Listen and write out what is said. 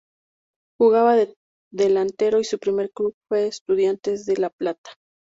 Jugaba de delantero y su primer club fue Estudiantes de La Plata.